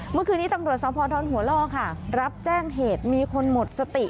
เมื่อคืนนี้ตำรวจสภดอนหัวล่อค่ะรับแจ้งเหตุมีคนหมดสติ